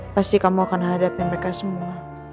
pasti kamu akan hadapi mereka semua